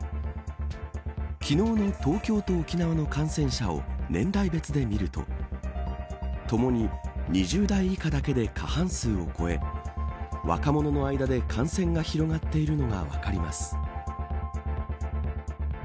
昨日の、東京と沖縄の感染者を年代別でみるとともに２０代以下だけで過半数を超え若者の間で感染が広がっているのが分かります。